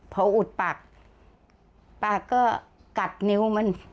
พออุดปากปากก็กัดนิ้วมัน